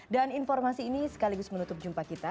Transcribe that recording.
dan informasi ini sekaligus menutup jumpa kita